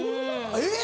えっ！